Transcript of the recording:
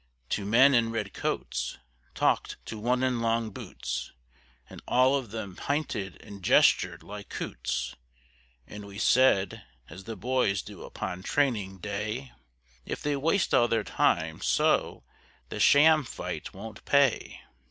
Two men in red Coats Talk'd to one in long Boots, And all of them pinted and gestur'd like Coots, And we said, as the Boys do upon Training Day "If they waste all their Time so, the Sham fight won't pay."